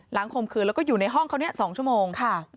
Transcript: หลังคมคืนแล้วก็อยู่ในห้องเขา๒ชั่วโมง